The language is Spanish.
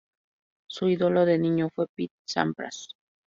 Su ídolo de niño fue Pete Sampras.